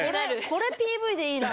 これＰＶでいいな。